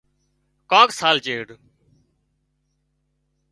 ڪانڪ سال چيڙ